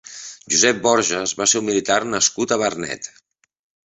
Josep Borges va ser un militar nascut a Vernet.